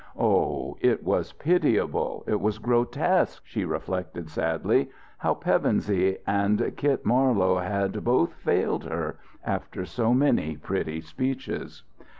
Oh, it was pitiable, it was grotesque, she reflected sadly, how Pevensey and Kitt Marlowe had both failed her, after so many pretty speeches.